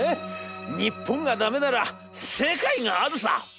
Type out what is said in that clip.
『日本がダメなら世界があるさ！』。